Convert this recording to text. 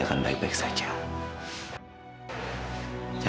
menurut anda baju kami pada masaurnya